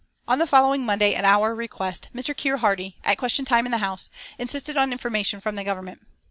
On the following Monday at our request, Mr. Keir Hardie, at question time in the House, insisted on information from the Government.